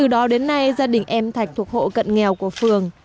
đó đến nay gia đình em thạch thuộc hộ cận nghèo của phường